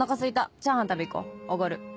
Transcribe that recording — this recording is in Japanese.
チャーハン食べにいこう？おごる。